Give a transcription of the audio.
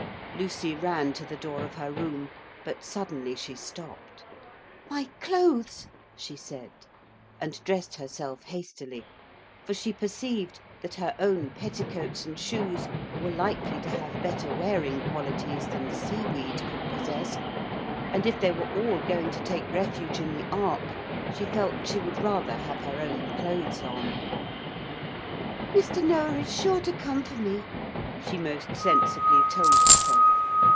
Lucy ran to the door of her room. But suddenly she stopped. 'My clothes,' she said. And dressed herself hastily. For she perceived that her own petticoats and shoes were likely to have better wearing qualities than seaweed could possess, and if they were all going to take refuge in the ark, she felt she would rather have her own clothes on. 'Mr. Noah is sure to come for me,' she most sensibly told herself.